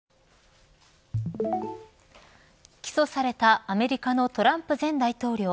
起訴されたアメリカのトランプ前大統領。